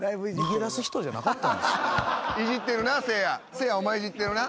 せいやお前イジってるな。